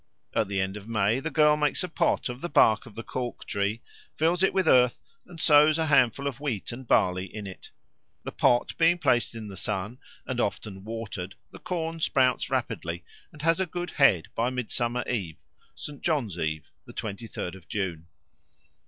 At the end of May the girl makes a pot of the bark of the cork tree, fills it with earth, and sows a handful of wheat and barley in it. The pot being placed in the sun and often watered, the corn sprouts rapidly and has a good head by Midsummer Eve (St. John's Eve, the twenty third of June).